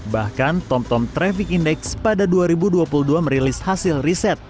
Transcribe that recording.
bahkan tomtom traffic index pada dua ribu dua puluh dua merilis hasil riset